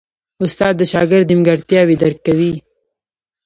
استاد د شاګرد نیمګړتیاوې درک کوي.